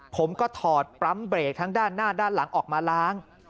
ถอดปั๊มเบรกทั้งด้านหน้าด้านหลังออกมาล้าง